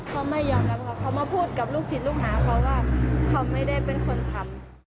เขาไม่ยอมรับค่ะเขามาพูดกับลูกศิษย์ลูกหาเขาว่าเขาไม่ได้เป็นคนทำ